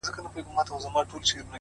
• هغه زما خبري پټي ساتي ـ